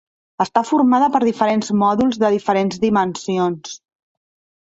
Està formada per diferents mòduls de diferents dimensions.